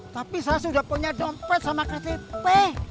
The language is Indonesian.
tapi saya sudah punya dompet sama ktp